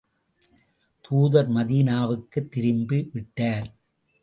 தூதர் மதீனாவுக்குத் திரும்பி விட்டார்.